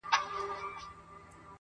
زما هغه معاش هغه زړه کیسه ده,